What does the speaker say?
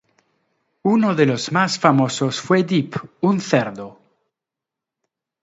Uno de los más famosos fue Dip, un cerdo.